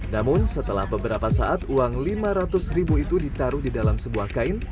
namun setelah beberapa saat uang lima ratus ribu itu ditaruh di dalam sebuah kain